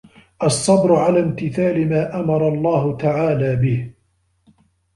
الصَّبْرُ عَلَى امْتِثَالِ مَا أَمَرَ اللَّهُ تَعَالَى بِهِ